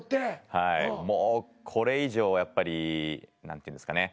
はいもうこれ以上はやっぱり何ていうんですかね